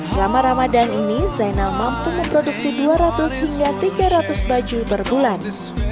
selama ramadan ini zainal mampu memproduksi dua ratus hingga tiga ratus baju per bulan